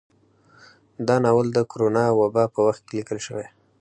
دا ناول د کرونا وبا په وخت کې ليکل شوى